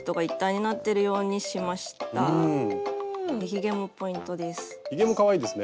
ひげもポイントです。